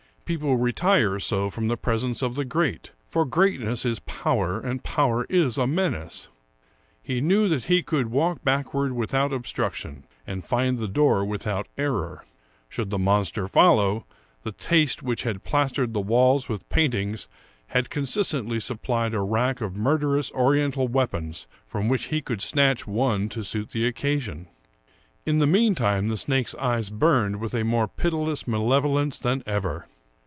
People retire so from the presence of the great, for greatness is power, and power is a menace. He knew that he could walk backward without obstruction, and find the door without error. Should the monster fol low, the taste which had plastered the walls with paintings had consistently supplied a rack of murderous Oriental weapons from which he could snatch one to suit the occa sion. In the meantime the snake's eyes burned with a more pitiless malevolence than ever.